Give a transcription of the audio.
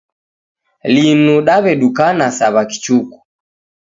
Linu daw'edukana sa w'akichuku